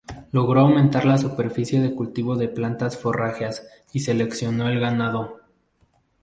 Logró aumentar la superficie de cultivo de plantas forrajeras y seleccionó el ganado.